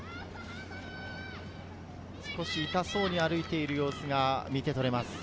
痛そうに歩いている様子が見てとれます。